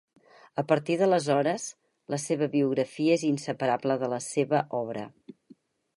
A partir d'aleshores, la seva biografia és inseparable de la seva obra.